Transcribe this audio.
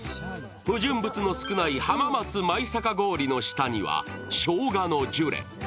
不純物の少ない浜松・舞阪氷の下にはしょうがのジュレ。